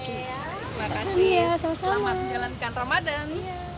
terima kasih selamat menjalankan ramadan